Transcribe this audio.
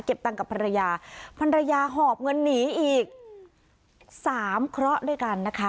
ตังค์กับภรรยาภรรยาหอบเงินหนีอีกสามเคราะห์ด้วยกันนะคะ